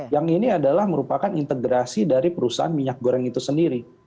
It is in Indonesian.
yang ini adalah merupakan integrasi dari perusahaan minyak goreng itu sendiri